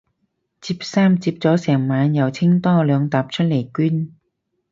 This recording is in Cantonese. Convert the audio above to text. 摺衫摺咗成晚又清多兩疊出嚟捐